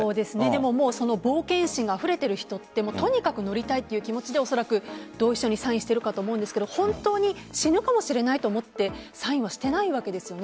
でも冒険心があふれている人ってとにかく乗りたいという気持ちでおそらく同意書にサインしているかと思うんですが本当に死ぬかもしれないと思ってサインはしてないですよね。